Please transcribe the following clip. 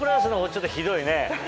ちょっとひどいね。